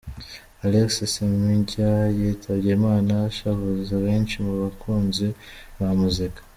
Alex Ssempijja yitabye Imana ashavuza benshi mu bakunzi ba muzika.